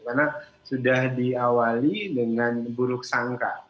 karena sudah diawali dengan buruk sangka